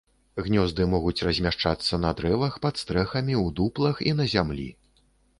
Гнёзды могуць размяшчацца на дрэвах, пад стрэхамі, у дуплах і на зямлі.